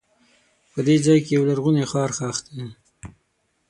په دې ځای کې یو لرغونی ښار ښخ دی.